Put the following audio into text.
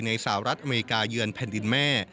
สหรัฐอเมริกาเยือนแผ่นดินแม่